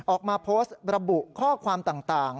ออกมาโพสต์ระบุข้อความต่าง